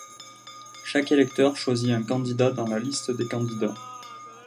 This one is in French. Chaque électeur choisit un candidat dans la liste des candidats.